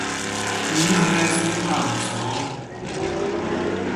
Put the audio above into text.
миний хайр сайхан амарсан уу